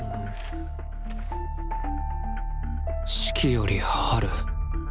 四季より「春」